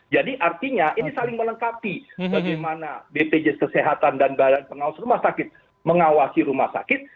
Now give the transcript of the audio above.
jadi artinya ini saling melengkapi bagaimana bpjs kesehatan dan badan pengawas rumah sakit mengawasi rumah sakit